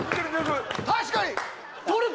確かに！